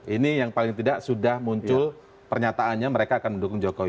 ini yang paling tidak sudah muncul pernyataannya mereka akan mendukung jokowi